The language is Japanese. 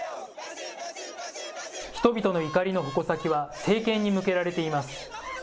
人々の怒りの矛先は政権に向けられています。